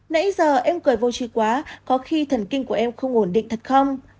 nãy giờ em cười vô trí quá có khi thần kinh của em không ổn định thật không